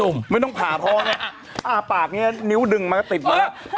นุ่มไม่ต้องผาทอเนี้ยอ่าปากเนี้ยนิ้วดึงมาก็ติดมา